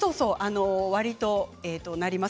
わりとなります。